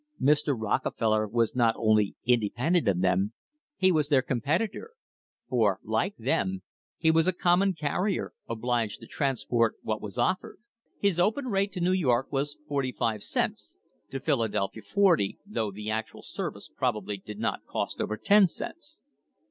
Mr. Rockefeller was not only independent of them, he was their competitor, for, like them, he was a common carrier obliged to transport what was offered. His open rate to New York was forty five cents, to Philadelphia forty, though the actual service probably did not cost over ten cents.